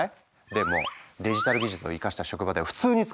でもデジタル技術を生かした職場では普通に使うから。